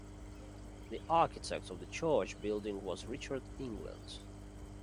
The architect of the church building was Richard England.